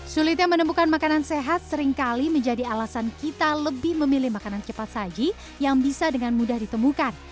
sulitnya menemukan makanan sehat seringkali menjadi alasan kita lebih memilih makanan cepat saji yang bisa dengan mudah ditemukan